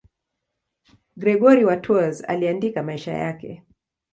Gregori wa Tours aliandika maisha yake.